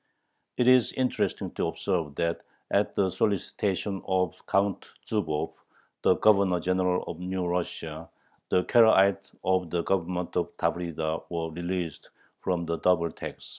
It is interesting to observe that at the solicitation of Count Zubov, the Governor General of New Russia, the Karaites of the Government of Tavrida were released from the double tax.